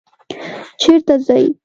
چیرته ځئ؟